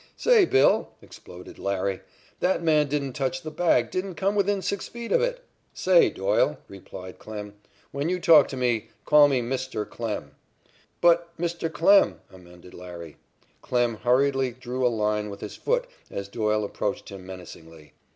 "Say, 'Bill,'" exploded "Larry," "that man didn't touch the bag didn't come within six feet of it." "Say, Doyle," replied Klem, "when you talk to me call me 'Mr. Klem.'" "But, Mr. Klem " amended "Larry." Klem hurriedly drew a line with his foot as Doyle approached him menacingly.